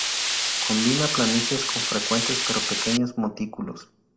Combina planicies con frecuentes pero pequeños montículos.